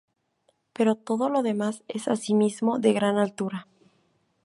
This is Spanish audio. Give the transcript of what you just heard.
Pero todo lo demás es asimismo de gran altura.